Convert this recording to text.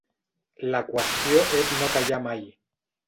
La qüestió és no callar mai.